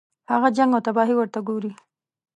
هغه جنګ او تباهي ورته ګوري.